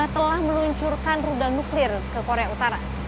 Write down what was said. telah meluncurkan rudal nuklir ke korea utara